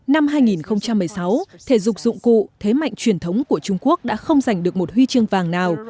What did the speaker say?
năm hai nghìn một mươi sáu thể dục dụng cụ thế mạnh truyền thống của trung quốc đã không giành được một huy chương vàng nào